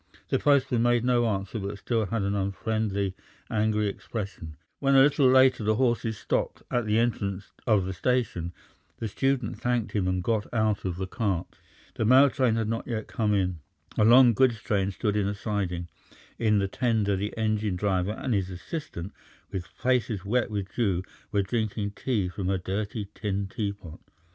The postman made no answer but still had an unfriendly, angry expression. When, a little later, the horses stopped at the entrance of the station the student thanked him and got out of the cart. The mail train had not yet come in. A long goods train stood in a siding; in the tender the engine driver and his assistant, with faces wet with dew, were drinking tea from a dirty tin teapot.